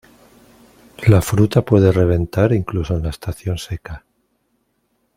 La fruta puede reventar incluso en la estación seca.